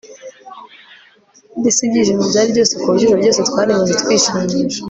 mbese ibyishimo byari byose kuburyo ijoro ryose twarimaze twishimisha